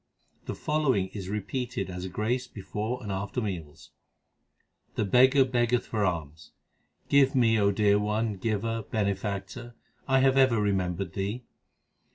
The following is repeated as a grace before and after meals : The beggar beggeth for alms, Give me, O dear One ; Giver, Benefactor, I have ever remembered Thee.